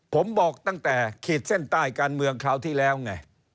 ผมบอกตั้งแต่ขีดเส้นใต้การเมืองคราวที่แล้วไง